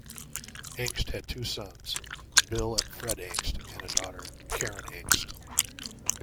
Engst had two sons, Bill and Fred Engst and a daughter, Karen Engst.